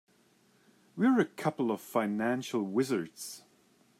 We're a couple of financial wizards.